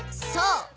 そう！